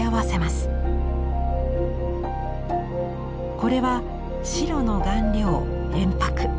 これは白の顔料鉛白。